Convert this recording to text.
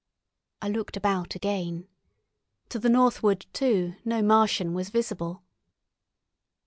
I looked about again. To the northward, too, no Martian was visible.